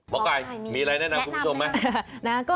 หมอไก่มีอะไรแนะนำคุณผู้ชมไหม